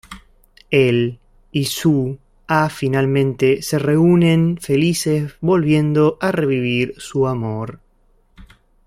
Él y Soo Ah finalmente se reúnen felices volviendo a revivir su amor.